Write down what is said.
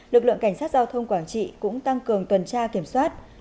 lực lượng cảnh sát giao thông quảng trị cũng tăng cường tuần tra kiểm soát